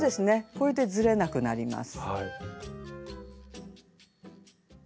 これでずれなくなります。